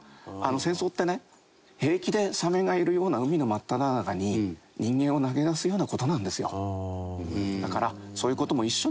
戦争ってね平気でサメがいるような海の真っただ中に人間を投げ出すような事なんですよ。